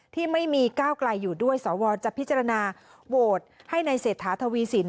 ที่ไม่มีก้าวไกลอยู่ด้วยสวจะพิจารณาโหวตให้ในเศรษฐาทวีสิน